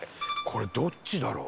これどっちだろう？